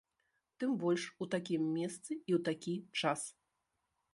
Тым больш у такім месцы і ў такі час!